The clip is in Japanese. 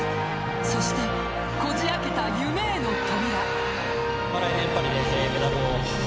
そして、こじあけた夢への扉。